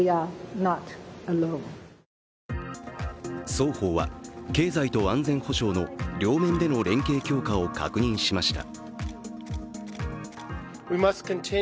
双方は、経済と安全保障の両面での連携強化を確認しました。